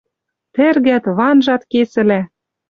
Тӹргӓт, ванжат кесӹлӓ.